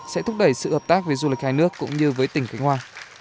sẽ thúc đẩy sự hợp tác về du lịch hai nước cũng như với tỉnh khánh hòa